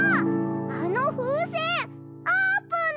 あのふうせんあーぷんの！